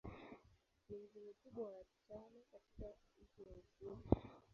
Ni mji mkubwa wa tano katika nchi wa Uswidi.